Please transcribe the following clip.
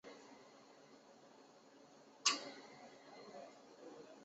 性格是盛气凌人的臭美大小姐类型。